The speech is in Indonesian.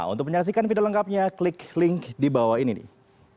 untuk menyaksikan video lengkapnya klik link di bawah ini nih